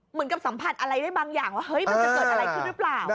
เหมือนกับสัมผัสอะไรได้บางอย่างว่าเฮ้ยมันจะเกิดอะไรขึ้นหรือเปล่า